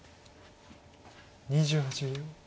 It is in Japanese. ２８秒。